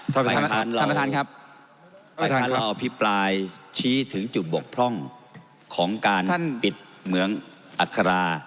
พระอฟิปรายฝ่ายท่านเราอภิปรายชี้ถึงจุดบกพร่องของการปิดเมืองอาคารา